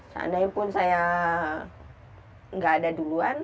seandainya pun saya nggak ada duluan